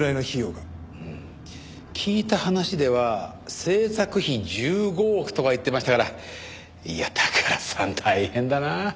うーん聞いた話では製作費１５億とか言ってましたからいや宝さん大変だなあ。